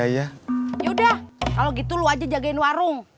yaudah kalau gitu lu aja jagain warung